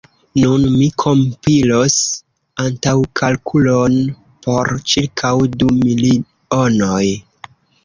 Nun mi kompilos antaŭkalkulon por ĉirkaŭ du milionoj.